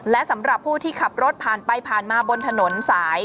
และสำหรับผู้ที่ขับรถผ่านไปผ่านมาบนถนนสาย